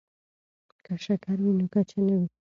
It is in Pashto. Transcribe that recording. که شکر وي نو کچه نه وي.